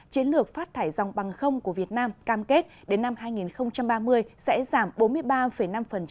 chiến lược phát thải dòng bằng không của việt nam cam kết đến năm hai nghìn ba mươi sẽ giảm bốn mươi ba năm